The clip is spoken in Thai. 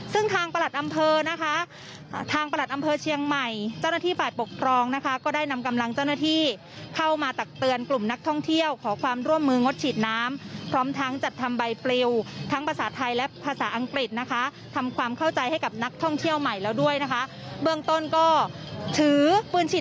ซึ่งทางประหลัดอำเภอนะคะทางประหลัดอำเภอเชียงใหม่เจ้าหน้าที่ฝ่ายปกครองนะคะก็ได้นำกำลังเจ้าหน้าที่เข้ามาตักเตือนกลุ่มนักท่องเที่ยวขอความร่วมมืองดฉีดน้ำพร้อมทั้งจัดทำใบปลิวทั้งภาษาไทยและภาษาอังกฤษนะคะทำความเข้าใจให้กับนักท่องเที่ยวใหม่แล้วด้วยนะคะเบื้องต้นก็ถือปืนฉีด